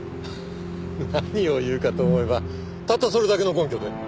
何を言うかと思えばたったそれだけの根拠で？